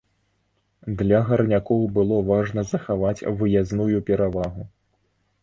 Для гарнякоў было важна захаваць выязную перавагу.